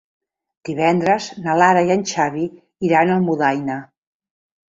Divendres na Lara i en Xavi iran a Almudaina.